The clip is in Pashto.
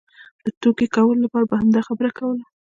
د ټوکې کولو لپاره به یې همدا خبره کوله.